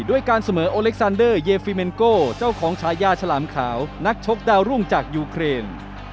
ด้วยการเสมอโอเล็กซานเดอร์เยฟิเมนโก้เจ้าของฉายาฉลามขาวนักชกดาวรุ่งจากยูเครน